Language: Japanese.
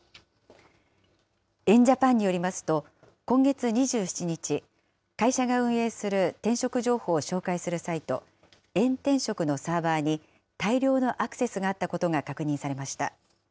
エン・ジャパンによりますと、今月２７日、会社が運営する転職情報を紹介するサイト、エン転職のサーバーに大量のアクセスがあったことが確認されました。